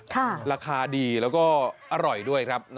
ราคาดีแล้วก็อร่อยด้วยครับ